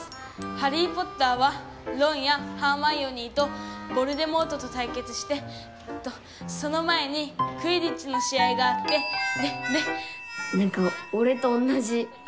『ハリー・ポッター』はロンやハーマイオニーとヴォルデモートとたいけつしてえっとその前にクィディッチの試合があってでで」。